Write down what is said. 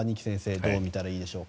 どう見たらいいでしょうか？